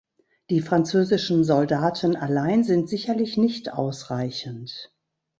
Die französischen Soldaten allein sind sicherlich nicht ausreichend.